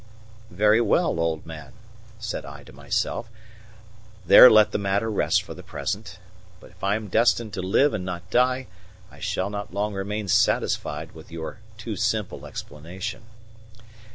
"Very well, old man," said I to myself; "there let the matter rest for the present. But if I am destined to live and not die, I shall not long remain satisfied with your too simple explanation."